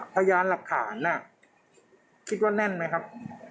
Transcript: พยานหลักฐานคิดว่าแน่นไหมครับ